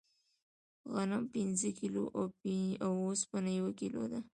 غنم پنځه کیلو او اوسپنه یو کیلو ده.